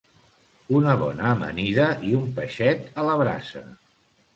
Una bona amanida i un peixet a la brasa